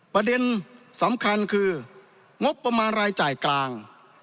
ประเด็นสำคัญคืองบประมาณรายจ่ายกลาง